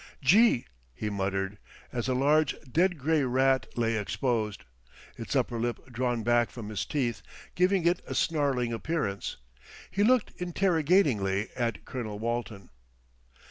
"Gee!" he muttered, as a large dead grey rat lay exposed, its upper lip drawn back from his teeth, giving it a snarling appearance. He looked interrogatingly at Colonel Walton.